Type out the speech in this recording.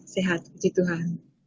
sehat puji tuhan